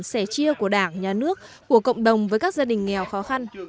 sẻ chia của đảng nhà nước của cộng đồng với các gia đình nghèo khó khăn